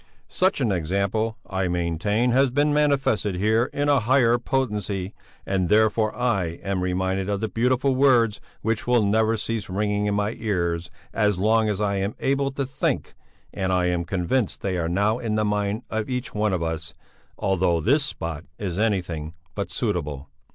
Such an example, I maintain, has been manifested here, in higher potency, and therefore I am reminded of the beautiful words which will never cease ringing in my ears as long as I am able to think, and I am convinced they are now in the mind of each one of us, although this spot is anything but suitable.